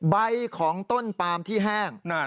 ใบของต้นปามที่แห้ง